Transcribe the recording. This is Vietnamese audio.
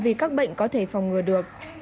vì các bệnh có thể phòng ngừa được